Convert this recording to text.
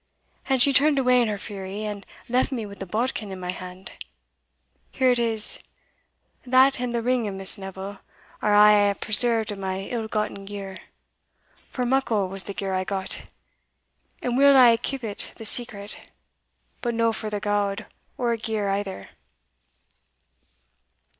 and she turned away in her fury, and left me with the bodkin in my hand. Here it is; that and the ring of Miss Neville, are a' I hae preserved of my ill gotten gear for muckle was the gear I got. And weel hae I keepit the secret, but no for the gowd or gear either."